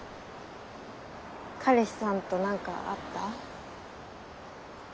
彼氏さんと何かあった？